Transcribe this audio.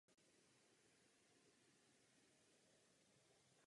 Kdy pak majetky patřili k náměštskému statku.